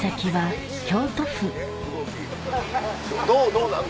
どうなん？